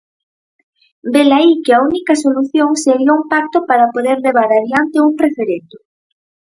Velaí que a única solución sería un pacto para poder levar adiante un referendo.